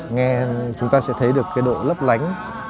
nghe chúng ta sẽ thấy được cái độ lấp lánh